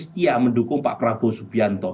setia mendukung pak prabowo subianto